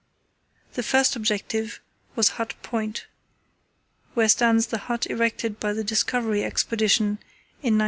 The first objective was Hut Point, where stands the hut erected by the Discovery expedition in 1902.